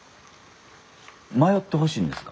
迷ってほしいです。